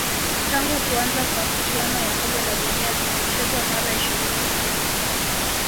tangu kuanza kwa michuano ya kombe la dunia zimechezwa mara ishiri na nne